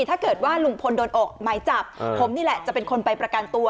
ถ้าเกิดว่าลุงพลโดนออกหมายจับผมนี่แหละจะเป็นคนไปประกันตัว